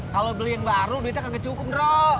kalau beli yang baru duitnya kagak cukup bro